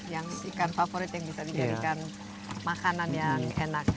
yang ikan favorit yang bisa dijadikan makanan yang enak